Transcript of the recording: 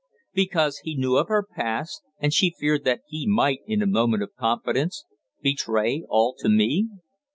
Because he knew of her past, and she feared that he might, in a moment of confidence, betray all to me.